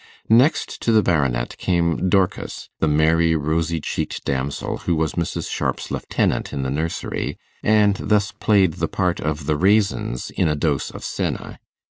Next to the Baronet came Dorcas, the merry rosy cheeked damsel who was Mrs. Sharp's lieutenant in the nursery, and thus played the part of the raisins in a dose of senna.